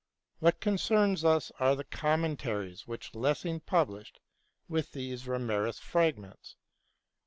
What con cerns us are the commentaries which Lessing published with these Reimarus fragments.